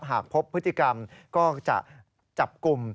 หากพบพฤติกรรมก็จะจับกลุ่ม